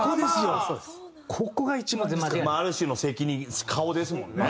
まあある種の責任顔ですもんね。